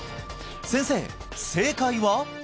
先生正解は？